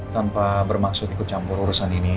tanpa bermaksud ikut campur urusan ini